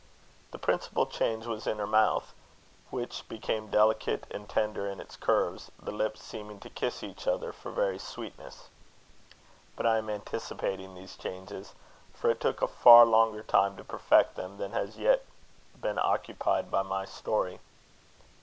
The principal change was in her mouth, which became delicate and tender in its curves, the lips seeming to kiss each other for very sweetness. But I am anticipating these changes, for it took a far longer time to perfect them than has yet been occupied by my story.